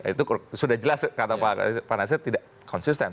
itu sudah jelas kata pak nasir tidak konsisten